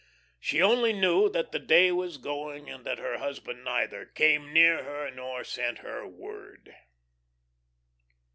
She only knew that the day was going and that her husband neither came near her nor sent her word.